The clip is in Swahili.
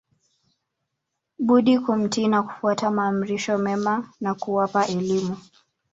budi kumtii na kufuata maamrisho mema na kuwapa elimu